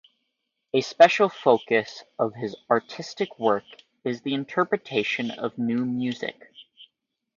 A special focus of his artistic work is the interpretation of New Music.